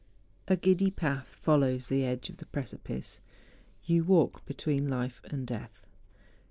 A GIDDY path follows the edge of the precipice; you walk between life and death.